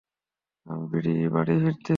আমি বাড়ি ফিরতেছি।